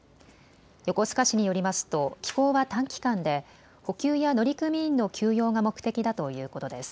横須賀市によりますと寄港は短期間で補給や乗組員の休養が目的だということです。